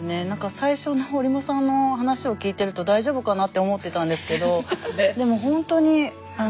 最初の折茂さんの話を聞いてると大丈夫かなって思ってたんですけど